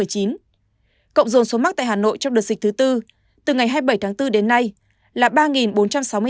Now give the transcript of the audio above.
cộng dồn số mắc tại hà nội trong đợt dịch thứ bốn từ ngày hai mươi bảy tháng bốn đến nay là ba bốn trăm sáu mươi tám ca